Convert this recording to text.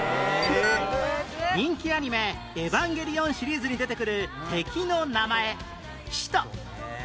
人気アニメ『エヴァンゲリオン』シリーズに出てくる敵の名前「使徒」